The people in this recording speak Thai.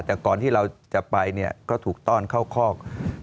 แต่ก่อนที่เราจะไปเนี่ยก็ถูกต้อนเข้าคอก